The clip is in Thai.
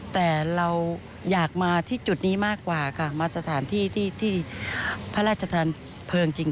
แต่เราอยากมาที่จุดนี้มากกว่าค่ะมาสถานที่ที่พระราชทานเพลิงจริง